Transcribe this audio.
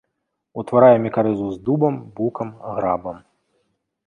Утварае мікарызу з дубам, букам, грабам.